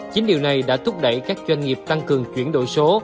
chính điều này đã thúc đẩy các doanh nghiệp tăng cường chuyển đổi số